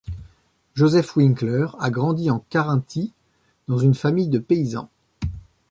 Josef Winkler a grandi en Carinthie dans une famille de paysans.